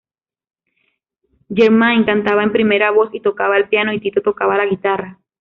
Jermaine cantaba en primera voz y tocaba el bajo, y Tito tocaba la guitarra.